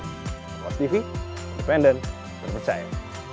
kompastv independen dan percaya